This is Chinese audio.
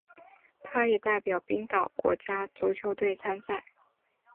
他也代表冰岛国家足球队参赛。